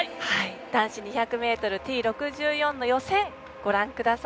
男子２００ｍＴ６４の予選ご覧ください。